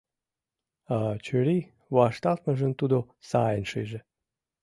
А чурий вашталтмыжым тудо сайын шиже.